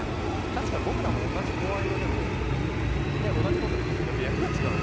確かに僕らも同じ声色でも同じこと言ってても役が違うと。